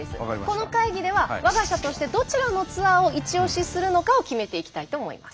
この会議では我が社としてどちらのツアーをイチオシするのかを決めていきたいと思います。